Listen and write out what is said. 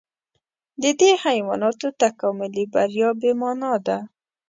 د دې حیواناتو تکاملي بریا بې مانا ده.